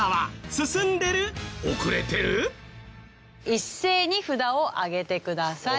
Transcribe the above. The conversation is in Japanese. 一斉に札を上げてください。